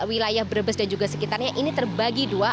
wilayah brebes dan juga sekitarnya ini terbagi dua